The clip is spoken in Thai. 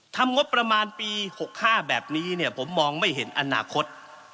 ทำงบประมาณปี๖๕แบบนี้เนี่ยผมมองไม่เห็นอนาคต